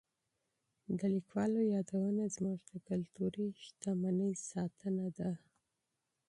د لیکوالو یادونه زموږ د کلتوري شتمنۍ ساتنه ده.